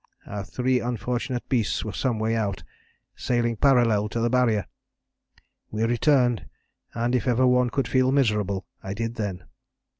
Our three unfortunate beasts were some way out, sailing parallel to the Barrier. We returned, and if ever one could feel miserable I did then.